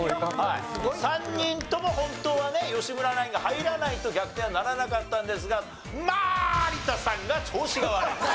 ３人とも本当はね吉村ナインが入らないと逆転はならなかったんですがまあ！